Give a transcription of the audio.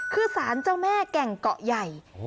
คือศาลเจ้าแม่แก่งเก่าเก่าใหญ่